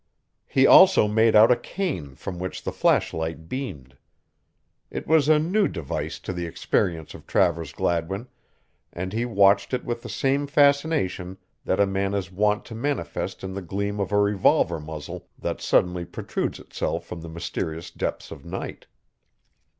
He also made out a cane from which the flashlight beamed. It was a new device to the experience of Travers Gladwin, and he watched it with the same fascination that a man is wont to manifest in the gleam of a revolver muzzle that suddenly protrudes itself from the mysterious depths of night.